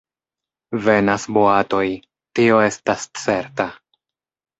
Venas boatoj, tio estas certa.